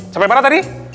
sampai mana tadi